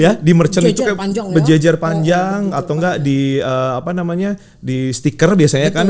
ya di merchant itu bejajar panjang atau enggak di apa namanya di stiker biasanya kan